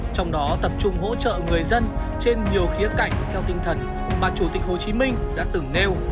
trong đó tập trung hỗ trợ người dân trên nhiều khía cạnh theo tinh thần mà chủ tịch hồ chí minh đã từng nêu